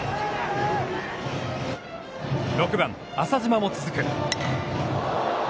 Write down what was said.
６番、浅嶋も続く。